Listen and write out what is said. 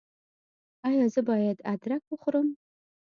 ایا زه باید ادرک وخورم؟